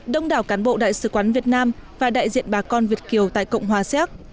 đông đảo cán bộ đại sứ quán việt nam và đại diện bà con việt kiều tại cộng hòa xéc